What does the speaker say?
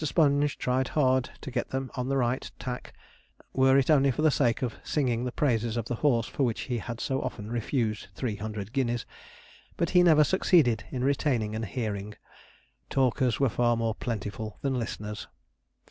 Sponge tried hard to get them on the right tack, were it only for the sake of singing the praises of the horse for which he had so often refused three hundred guineas, but he never succeeded in retaining an hearing. Talkers were far more plentiful than listeners.